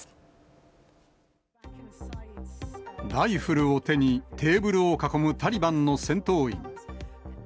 ライフルを手に、テーブルを囲むタリバンの戦闘員。